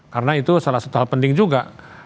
karena itu salah satu hal penting juga